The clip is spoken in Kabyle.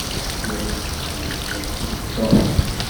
Ččiɣ imekli nekk d Tom.